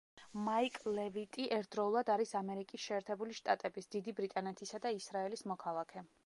მაიკლ ლევიტი ერთდროულად არის ამერიკის შეერთებული შტატების, დიდი ბრიტანეთისა და ისრაელის მოქალაქე.